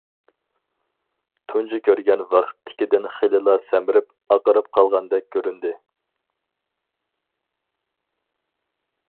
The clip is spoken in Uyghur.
تۇنجى كۆرگەن ۋاقىتتىكىدىن خېلىلا سەمرىپ، ئاقىرىپ قالغاندەك كۆرۈندى.